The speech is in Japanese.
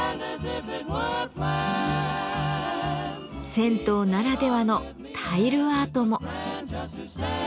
銭湯ならではのタイルアートも。